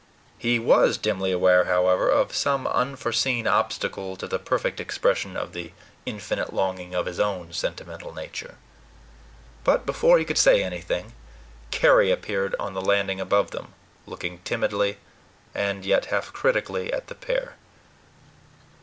He was dimly aware, however, of some unforeseen obstacle to the perfect expression of the infinite longing of his own sentimental nature. But, before he could say anything, Carry appeared on the landing above them, looking timidly, and yet half critically, at the pair.